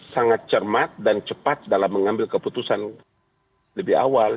sangat cermat dan cepat dalam mengambil keputusan lebih awal